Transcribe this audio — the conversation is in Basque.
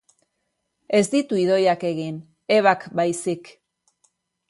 Ez ditu Idoiak egin, Ebak baizik.